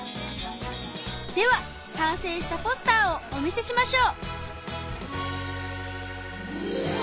では完成したポスターをお見せしましょう。